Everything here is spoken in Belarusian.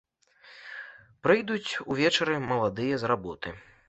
Прыйдуць увечары маладыя з работы.